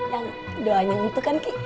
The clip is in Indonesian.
yang doanya untuk kan kiki